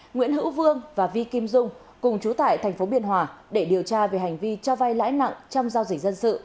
nguyễn hữu vương và vi kim dung cùng chú tại tp biên hòa để điều tra về hành vi cho vay lãi nặng trong giao dịch dân sự